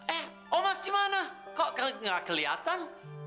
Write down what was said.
eh omas dimana kok gak keliatan